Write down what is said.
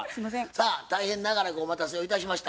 さあ大変長らくお待たせをいたしました